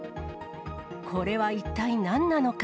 これは一体何なのか。